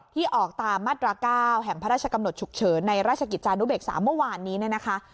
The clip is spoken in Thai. ที่ออกตามมาตรา๙แห่งพระราชกำหนดฉุกเฉินในราชกิจจานุเบกษาเมื่อวานนี้เนี่ยนะคะ